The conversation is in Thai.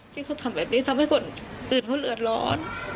ที่เขาทำแบบนี้ทำให้คนอื่นเขาเดือดร้อน